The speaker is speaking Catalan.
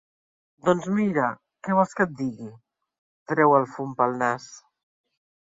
Doncs mira, què vols que et digui? –treu el fum pel nas–.